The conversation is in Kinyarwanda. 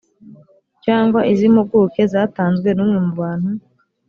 cyangwa iz impuguke zatanzwe n umwe mu bantu